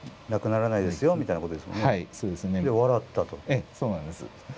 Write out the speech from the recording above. ええそうなんです。